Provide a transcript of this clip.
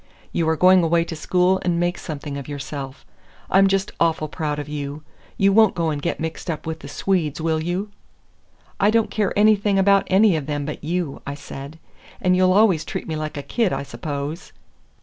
You are going away to school and make something of yourself. I'm just awful proud of you. You won't go and get mixed up with the Swedes, will you?" "I don't care anything about any of them but you," I said. "And you'll always treat me like a kid, I suppose."